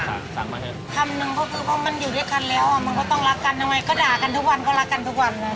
ทำนึงมันอยู่ด้วยกันแล้วมันต้องรักกันนะไม่ก็ด่ากันทุกวันก็รักกันทุกวันเลย